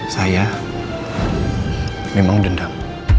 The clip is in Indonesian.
saya memang dendam